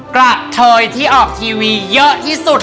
กระเทยที่ออกทีวีเยอะที่สุด